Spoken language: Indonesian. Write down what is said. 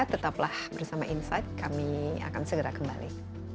tetaplah bersama insight kami akan segera kembali